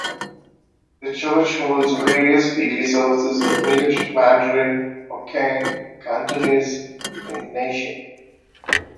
The church holds various weekly services in English, Mandarin, Hokkien, Cantonese, and Indonesian.